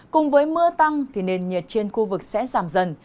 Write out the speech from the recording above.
cùng với mưa tăng thì nền nhiệt trên khu vực sẽ giảm dần